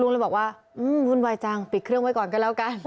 เลยบอกว่าวุ่นวายจังปิดเครื่องไว้ก่อนก็แล้วกัน